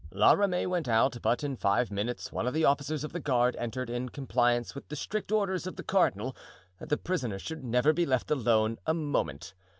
La Ramee went out, but in five minutes one of the officers of the guard entered in compliance with the strict orders of the cardinal that the prisoner should never be left alone a moment.